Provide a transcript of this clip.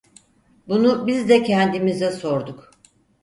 Bunu biz de kendimize sorduk.